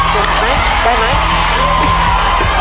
ไปไหนไปไหนวางละเจ้าแม่วางไป